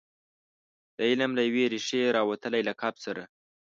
د علم له یوې ریښې راوتلي لقب سره.